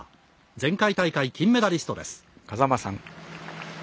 前回大会、金メダリストです。